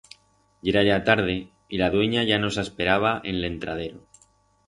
Yera ya tarde y la duenya ya nos asperaba en l'entradero.